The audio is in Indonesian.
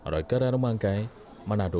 reker ramangkai manado